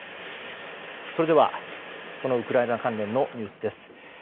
それでは、そのウクライナ関連のニュースです。